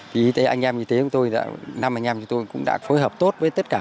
thì y tế anh em y tế của tôi đã năm anh em chúng tôi cũng đã phối hợp tốt với tất cả